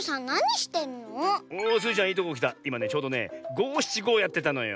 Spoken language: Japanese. いまねちょうどねごしちごをやってたのよ。